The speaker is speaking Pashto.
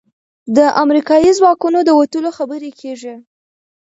د امریکايي ځواکونو د وتلو خبرې کېږي.